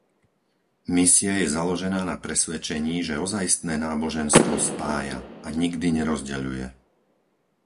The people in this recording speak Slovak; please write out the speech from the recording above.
Misia je založená na presvedčení, že ozajstné náboženstvo spája a nikdy nerozdeľuje.